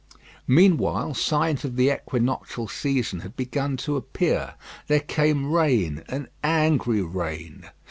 Meanwhile signs of the equinoctial season had begun to appear. There came rain an angry rain.